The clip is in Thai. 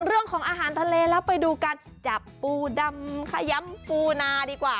เรื่องของอาหารทะเลแล้วไปดูการจับปูดำขยำปูนาดีกว่า